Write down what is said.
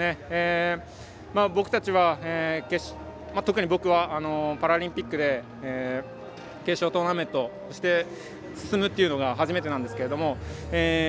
僕たちは特に僕はパラリンピックで決勝トーナメント進むというのが初めてなんですけど